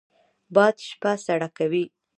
باد شپه سړه کوي